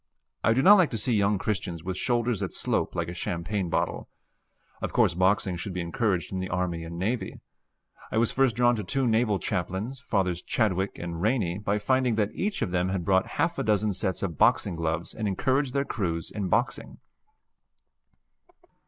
I do not like to see young Christians with shoulders that slope like a champagne bottle. Of course boxing should be encouraged in the army and navy. I was first drawn to two naval chaplains, Fathers Chidwick and Rainey, by finding that each of them had bought half a dozen sets of boxing gloves and encouraged their crews in boxing.